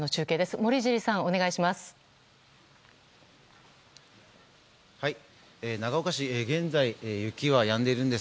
森尻さん、お願いします。